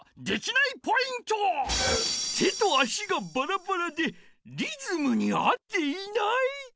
手と足がバラバラでリズムに合っていない。